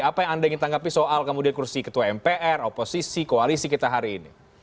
apa yang anda ingin tanggapi soal kemudian kursi ketua mpr oposisi koalisi kita hari ini